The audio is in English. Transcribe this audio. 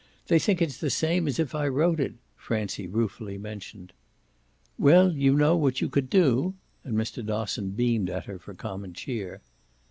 They think it's the same as if I wrote it," Francie ruefully mentioned. "Well, you know what you COULD do!" And Mr. Dosson beamed at her for common cheer.